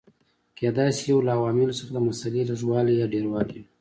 کېدای شي یو له عواملو څخه د مسالې لږوالی یا ډېروالی وي.